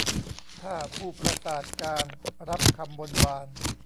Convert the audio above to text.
ถ้าผู้ประศาสน์การณ์รับคำบนบาน